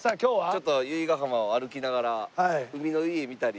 ちょっと由比ガ浜を歩きながら海の家見たり。